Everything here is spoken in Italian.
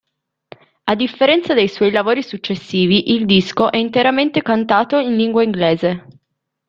A differenza dei suoi lavori successivi, il disco è interamente cantato in lingua inglese.